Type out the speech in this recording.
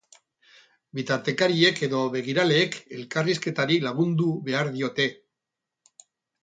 Bitartekariek edo begiraleek elkarrizketari lagundu behar diote.